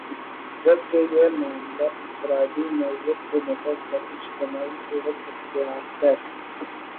جبکہ یہ معاملہ انفرادی نوعیت سے نکل کر اجتماعی صورت اختیار کر